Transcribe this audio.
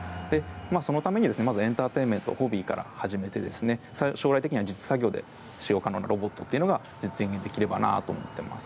そのためにまずはエンターテインメントホビーから初めて将来的には実作業で使用可能ロボットが実現できればなと思っています。